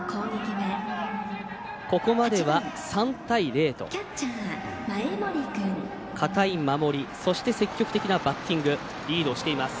ここまでは３対０と堅い守りそして、積極的にバッティングリードをしています。